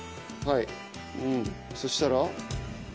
そしたら？